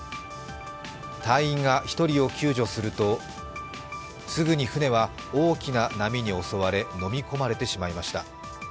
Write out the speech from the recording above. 隊員が１人を救助するとすぐに船は大きな波に襲われのみ込まれてしまいました。